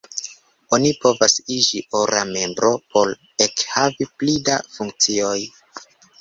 Oni povas iĝi ora membro por ekhavi pli da funkcioj.